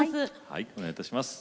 はいお願いいたします。